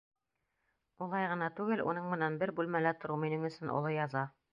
Улай ғына түгел, уның менән бер бүлмәлә тороу минең өсөн оло яза.